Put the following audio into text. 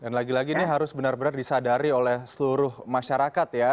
dan lagi lagi ini harus benar benar disadari oleh seluruh masyarakat ya